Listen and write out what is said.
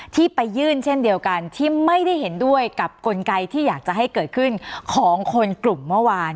ที่ไปยื่นเช่นเดียวกันที่ไม่ได้เห็นด้วยกับกลไกที่อยากจะให้เกิดขึ้นของคนกลุ่มเมื่อวาน